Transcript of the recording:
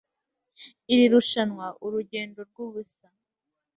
iri rushanwa, urugendo rwubusa